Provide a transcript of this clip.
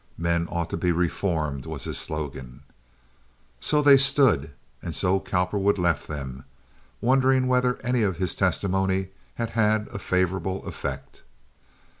Men ought to be reformed, was his slogan. So they stood, and so Cowperwood left them, wondering whether any of his testimony had had a favorable effect.